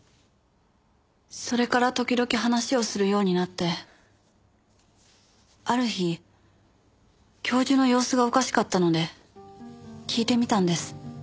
それから時々話をするようになってある日教授の様子がおかしかったので聞いてみたんです。